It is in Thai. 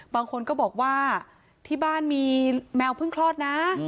บางคนก็บอกว่าที่บ้านมีแมวเพิ่งคลอดนะ